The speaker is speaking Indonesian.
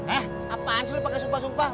eh apaan sih lo pakai sumpah sumpah